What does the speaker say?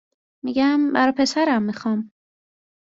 میگم: برا پسرم میخوام